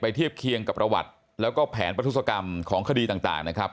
เทียบเคียงกับประวัติแล้วก็แผนประทุศกรรมของคดีต่างนะครับ